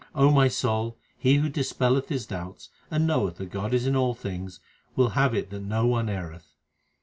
O my soul, he who dispelleth his doubts, And knoweth that God is in all things, will have it that no one erreth.